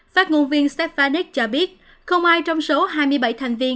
phát ngôn viên stefanic cho biết không ai trong số hai mươi bảy thành viên